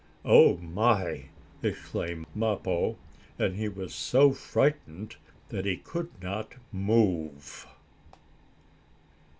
"Oh my!" exclaimed Mappo, and he was so frightened that he could not move.